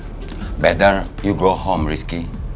lebih baik lo pulang rizky